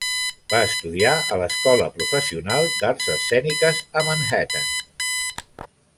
Va estudiar a l'Escola Professional d'Arts Escèniques a Manhattan.